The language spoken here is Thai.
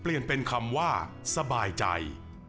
เปลี่ยนเป็นคำว่าสบายใจ